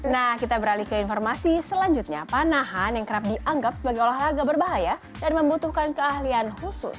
nah kita beralih ke informasi selanjutnya panahan yang kerap dianggap sebagai olahraga berbahaya dan membutuhkan keahlian khusus